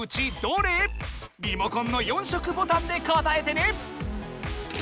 リモコンの４色ボタンで答えてね！